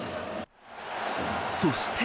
そして。